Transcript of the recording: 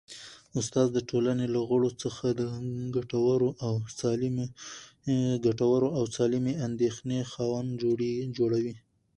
استاد د ټولني له غړو څخه د ګټورو او سالمې اندېښنې خاوندان جوړوي.